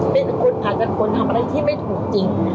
แม่จะเป็นคนทำอะไรที่ไม่ถูกจริง